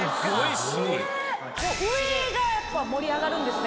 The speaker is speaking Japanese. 上がやっぱ盛り上がるんですね。